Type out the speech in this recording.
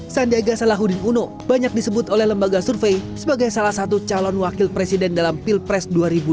sandiaga salahuddin uno banyak disebut oleh lembaga survei sebagai salah satu calon wakil presiden dalam pilpres dua ribu dua puluh